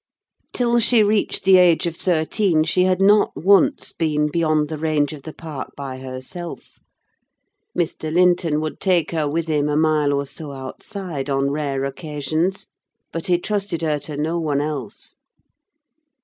Till she reached the age of thirteen she had not once been beyond the range of the park by herself. Mr. Linton would take her with him a mile or so outside, on rare occasions; but he trusted her to no one else.